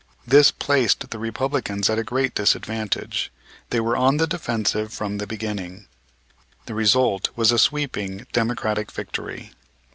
This placed the Republicans at a great disadvantage. They were on the defensive from the beginning. The result was a sweeping Democratic victory.